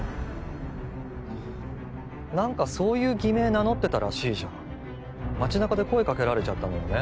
何かそういう偽名名乗ってたらしいじゃん街なかで声かけられちゃったのよね